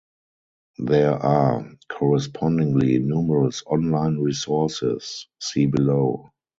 There are, correspondingly, numerous online resources; see below.